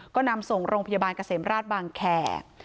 ก็นำส่งโรงพยาบาลเกษมราชบางแขก